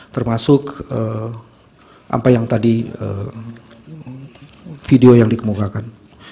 termasuk apa yang tadi video yang dikemukakan